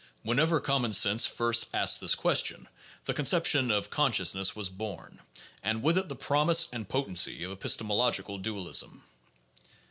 Whenever common sense first asked this question, the conception of consciousness was born, and with it the promise and potency of epistemological dualism.